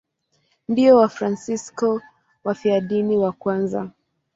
Ndio Wafransisko wafiadini wa kwanza.